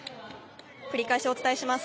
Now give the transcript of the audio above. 繰り返しお伝えします。